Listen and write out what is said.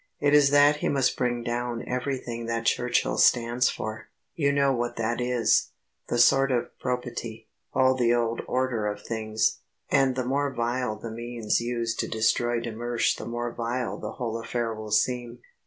It is that he must bring down everything that Churchill stands for. You know what that is the sort of probity, all the old order of things. And the more vile the means used to destroy de Mersch the more vile the whole affair will seem.